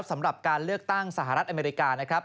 สำหรับการเลือกตั้งสหรัฐอเมริกานะครับ